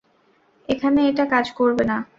এখানে এটা কাজ করবে না।